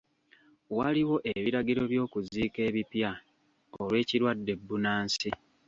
Waliwo ebiragiro by'okuziika ebipya olw'ekirwadde bbunansi.